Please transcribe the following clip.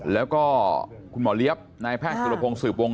แล้วก็คุณหมอเลี้ยบนายแพทย์สุรพงศ์สืบวง